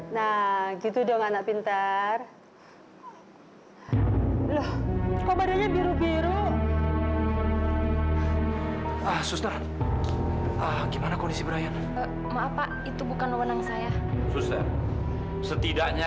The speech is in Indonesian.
sampai jumpa di video selanjutnya